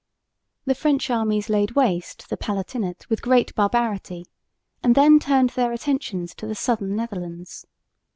The French armies laid waste the Palatinate with great barbarity, and then turned their attentions to the southern Netherlands.